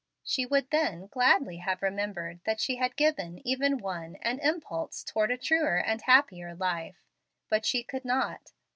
She would then gladly have remembered that she had given even one an impulse towards a truer and happier life. But she could not.